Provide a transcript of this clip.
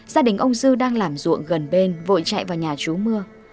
gia đình ông dư đang làm ruộng gần bên vội chạy vào nhà chú mưa